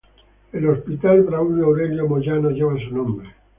El Hospital Braulio Aurelio Moyano lleva su nombre.